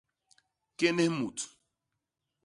Kénés mut.